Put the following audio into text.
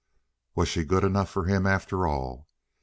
Was she good enough for him after all?